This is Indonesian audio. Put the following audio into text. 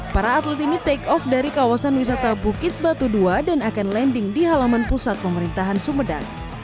para atlet ini take off dari kawasan wisata bukit batu dua dan akan landing di halaman pusat pemerintahan sumedang